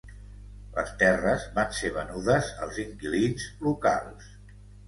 Les terres van ser venudes als inquilins locals.